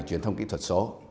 truyền thông kỹ thuật số